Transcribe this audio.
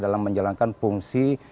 dalam menjalankan fungsi